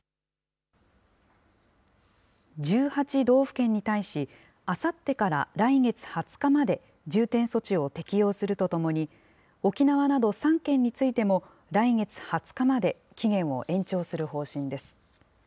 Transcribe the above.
１８道府県に対し、あさってから来月２０日まで、重点措置を適用するとともに、沖縄など３県についても来月２０日まで期限を延長する方針です。